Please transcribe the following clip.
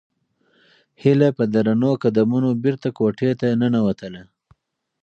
هیله په درنو قدمونو بېرته کوټې ته ننووتله.